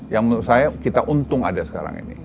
yang menurut saya kita untung ada sekarang ini